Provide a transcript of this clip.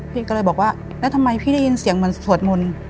พี่ก็เลยบอกว่าแล้วทำไมพี่ได้ยินเสียงเหมือนสวดมนต์